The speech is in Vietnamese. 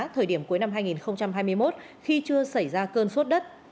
thời điểm cuối năm hai nghìn hai mươi một khi chưa xảy ra cơn sốt đất